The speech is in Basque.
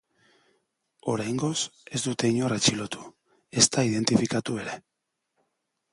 Oraingoz, ez dute inor atxilotu, ezta identifikatu ere.